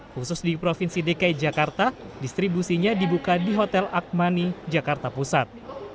khusus di provinsi dki jakarta distribusinya dibuka di hotel akmani jakarta pusat